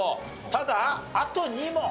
ただあと２問。